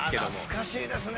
懐かしいですね。